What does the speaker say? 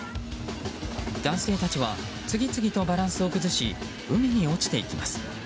男性たちは次々とバランスを崩し海に落ちていきます。